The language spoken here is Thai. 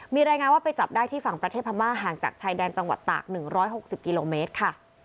มีรายงานว่าไปจับได้ที่ฝั่งประเทศพม่าห่างจากชายแดนจังหวัดตาก๑๖๐กิโลเมตรค่ะ